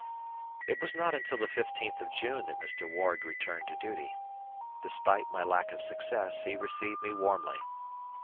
It was not until the fifteenth of June that Mr. Ward returned to duty. Despite my lack of success he received me warmly.